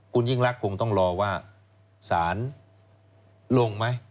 คุณยิ่งรักคงต้องรอว่าสารลงไหม